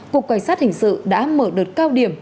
cục cảnh sát hình sự đã mở đợt cao điểm